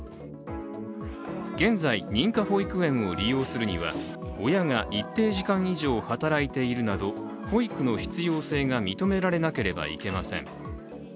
現在、認可保育園を利用するには親が一定時間以上働いているなど保育の必要性が認められなければいけません。